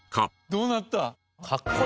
どうなった？